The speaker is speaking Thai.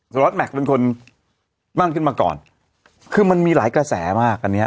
รอตแม็กซ์เป็นคนนั่นขึ้นมาก่อนคือมันมีหลายกระแสมากอันเนี้ย